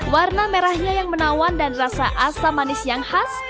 warna merahnya yang menawan dan rasa asam manis yang khas